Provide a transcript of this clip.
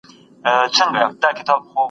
سختي تیرول پکار دي.